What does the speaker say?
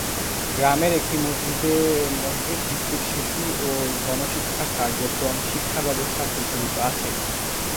গ্রামের একটি মসজিদে মসজিদ ভিত্তিক শিশু ও গণশিক্ষা কার্যক্রম শিক্ষাব্যবস্থা প্রচলিত আছে।